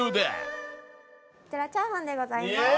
こちらチャーハンでございます。